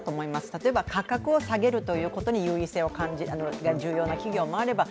例えば価格を下げるということが重要な企業もあれば